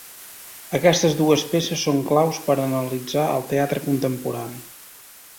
Aquestes dues peces són claus per analitzar el teatre contemporani.